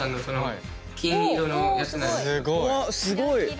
すごい。